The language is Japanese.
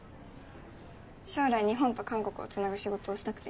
将来日本と韓国をつなぐ仕事をしたくて。